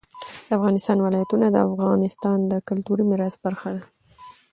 د افغانستان ولايتونه د افغانستان د کلتوري میراث برخه ده.